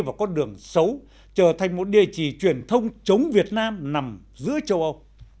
vào con đường xấu trở thành một địa chỉ truyền thông chống việt nam nằm giữa châu âu